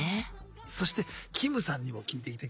そしてキムさんにも聞いていきたい。